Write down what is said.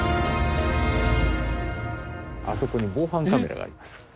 あそこに防犯カメラがあります。